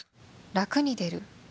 ラクに出る？